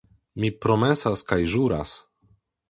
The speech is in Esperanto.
Mi promesas kaj ĵuras!